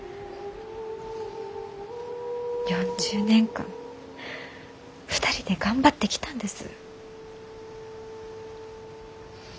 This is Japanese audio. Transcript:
４０年間２人で頑張ってきたんです。